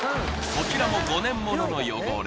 こちらも５年ものの汚れ